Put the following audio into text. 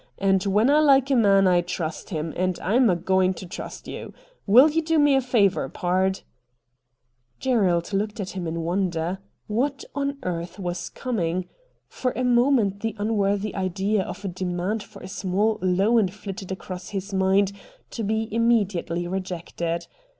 And where I like a man I trust him, and I'm a going to trust you. Will you do me a favour, pard ?' Gerald looked at him in wonder. What A STRANGE STORY 75 on earth was coming ? For a moment the unworthy idea of a demand for a small loan flitted across his mind to be imme diately rejected.